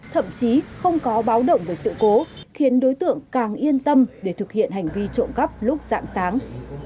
thậm chí không có báo động về sự cố khiến đối tượng càng yên tâm để thực hiện hành vi trộm cắp lúc dạng sáng